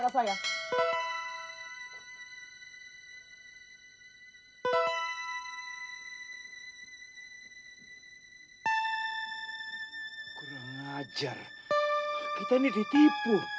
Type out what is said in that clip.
kurang ajar kita ini ditipu